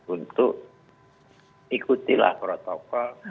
untuk ikutilah protokol